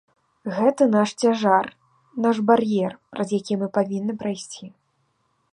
Гэта наш цяжар, наш бар'ер, праз які мы павінны прайсці.